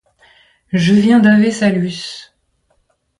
Je viens d’Ave Salus.